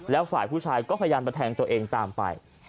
แล้วฝ่ายผู้ชายก็พยายามมาแทงตัวเองตามไป